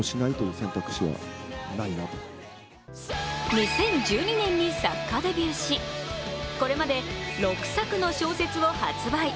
２０１２年に作家デビューし、これまで６作の小説を発売。